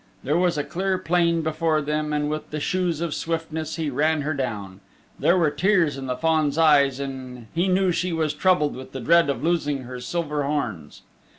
There was a clear plain before them and with the Shoes of Swiftness he ran her down. There were tears in the Fawn's eyes and he knew she was troubled with the dread of losing her silver horns.